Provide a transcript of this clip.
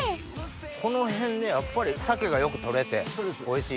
この辺やっぱり鮭がよく取れておいしい。